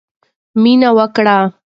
مینه ورکړئ.